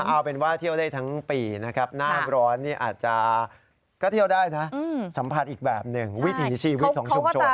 เอาเป็นว่าเที่ยวได้ทั้งปีนะครับหน้าร้อนนี่อาจจะก็เที่ยวได้นะสัมผัสอีกแบบหนึ่งวิถีชีวิตของชุมชน